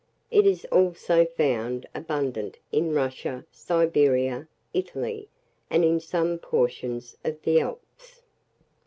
It is also found abundant in Russia, Siberia, Italy, and in some portions of the Alps.